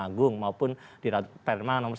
agung maupun di perman satu